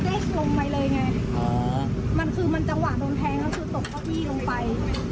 มันคือมันจังหวะโดนแทงคือตกเข้าพี่ลงไป